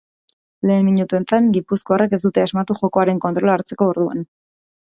Lehen minutuetan, gipuzkoarrek ez dute asmatu jokoaren kontrola hartzeko orduan.